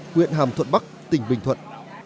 huyện hàm thuận bắc tỉnh bình thuận